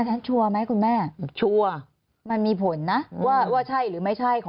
งั้นแวะคะชัวร์ไหมคุณแม่มันมีผลละว่าใช่หรือไม่ใช่